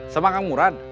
sama kang murad